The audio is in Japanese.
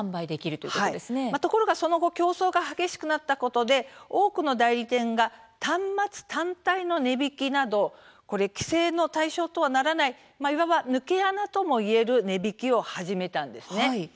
ところが、その後競争が激しくなったことで多くの代理店が端末単体の値引きなど規制の対象とはならないいわば抜け穴ともいえる値引きを始めたのです。